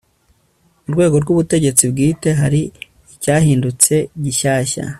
mu rwego rw'ubutegetsi bwite hari icyahindutse gishyashya